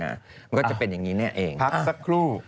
มันก็จะเป็นอย่างนี้แน่เองพักสักครู่